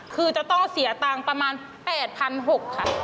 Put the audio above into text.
คือจะต้องเสียตังค์ประมาณ๘๖๐๐บาทค่ะ